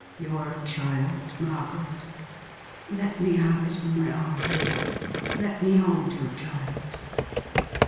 Your child, Margaret? Let me have it in my arms. Let me hold your child.